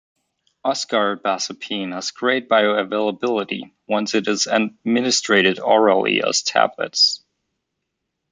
Oxcarbazepine has great bioavailability once it is administrated orally as tablets.